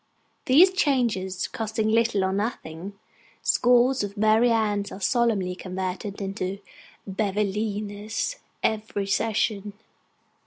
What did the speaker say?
These changes costing little or nothing, scores of Mary Annes are solemnly converted into Bevelinas every session.